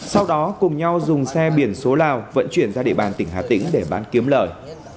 sau đó cùng nhau dùng xe biển số lào vận chuyển ra địa bàn tỉnh hà tĩnh để bán kiếm lời